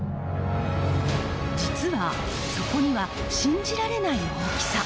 実はそこには信じられない大きさ。